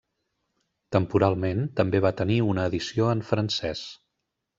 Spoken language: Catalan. Temporalment també va tenir una edició en francès.